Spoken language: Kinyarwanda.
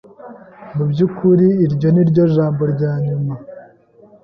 Mu byukuri iryo ni ryo jambo rya nyuma